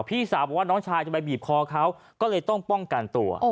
พี่สาวบอกว่าน้องชายจะไปบีบคอเขาก็เลยต้องป้องกันตัว